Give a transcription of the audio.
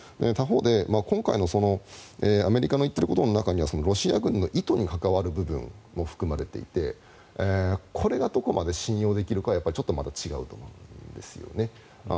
他方で今回のアメリカの言っていることの中にはロシア軍の意図にかかる部分も含まれていてこれがどこまで信用できるかでちょっとまた違うと思うんですよね。